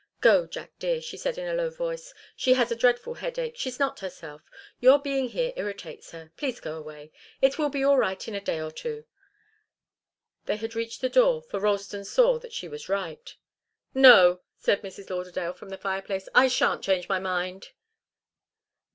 "Go, Jack dear," she said in a low voice. "She has a dreadful headache she's not herself. Your being here irritates her please go away it will be all right in a day or two " They had reached the door, for Ralston saw that she was right. "No," said Mrs. Lauderdale from the fireplace, "I shan't change my mind."